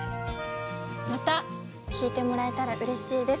また聴いてもらえたらうれしいです。